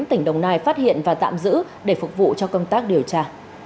tỉnh đồng nai phát hiện và tạm giữ để phục vụ cho công tác điều tra